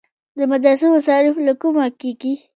د مدرسو مصارف له کومه کیږي؟